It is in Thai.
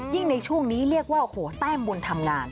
ยิ่งในช่วงนี้เรียกว่าแต้มบุญทำงาน